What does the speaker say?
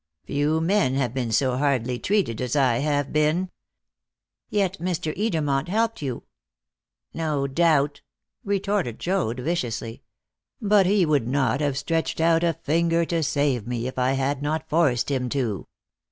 Few men have been so hardly treated as I have been." "Yet Mr. Edermont helped you." "No doubt," retorted Joad viciously; "but he would not have stretched out a finger to save me if I had not forced him to."